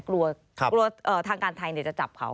กลัวทางการไทยจะจับเขา